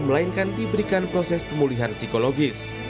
melainkan diberikan proses pemulihan psikologis